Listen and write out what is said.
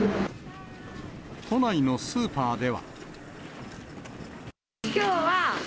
都内のスーパーでは。